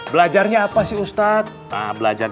belajarnya apa sih ustadz